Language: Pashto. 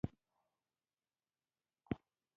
ده د اتحادي پوځونو د بمونو پر کوچني والي شکایت کاوه.